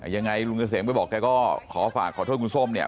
ยังไงลุงเกษมก็บอกแกก็ขอฝากขอโทษคุณส้มเนี่ย